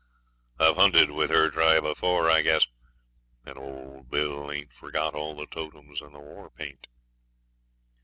I've hunted with her tribe afore, I guess, and old Bill ain't forgot all the totems and the war paint.'